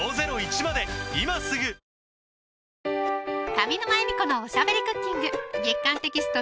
上沼恵美子のおしゃべりクッキング月刊テキスト